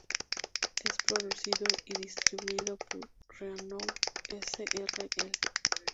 Es producido y distribuido por Rainbow S.r.l.